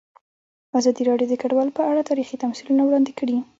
ازادي راډیو د کډوال په اړه تاریخي تمثیلونه وړاندې کړي.